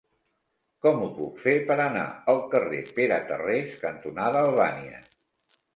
Com ho puc fer per anar al carrer Pere Tarrés cantonada Albània?